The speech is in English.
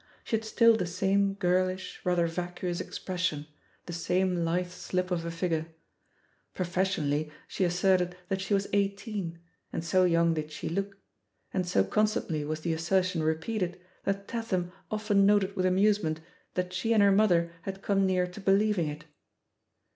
She had still the same girlish, rather vacuous expression, the same lithe slip of a figure. Professionally she asserted that she was eighteen, and so young did she look, and so constantly was the assertion repeated, that Tatham often noted with amusement that she and her mother had come near to believing it.